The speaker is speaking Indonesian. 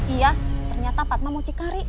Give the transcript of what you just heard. iya ternyata fatma mau cikari